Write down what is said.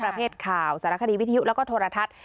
ประเภทข่าวสารคดีวิทยุแล้วก็โทรทัศน์